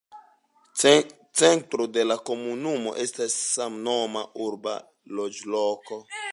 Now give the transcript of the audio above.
Centro de la komunumo estas samnoma urba loĝloko.